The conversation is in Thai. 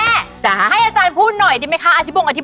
โหยิวมากประเด็นหัวหน้าแซ่บที่เกิดเดือนไหนในช่วงนี้มีเกณฑ์โดนหลอกแอ้มฟรี